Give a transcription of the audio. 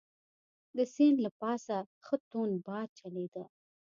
د سیند له پاسه ښه توند باد چلیده.